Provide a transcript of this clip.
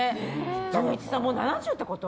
純一さん、もう７０ってこと？